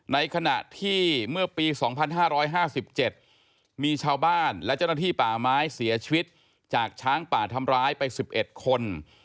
ในขณะที่เมื่อปี๒๕๕๗มีชาวบ้านและเจ้าหน้าที่ป่าไม้เสียชีวิตจากช้างป่าทำร้ายไป๑๑คน